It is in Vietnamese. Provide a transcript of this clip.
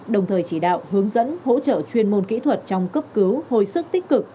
đồng thời chỉ đạo hướng dẫn hỗ trợ chuyên môn kỹ thuật trong cấp cứu hồi sức tích cực